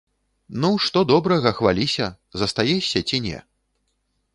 Ну, што добрага, хваліся, застаешся ці не?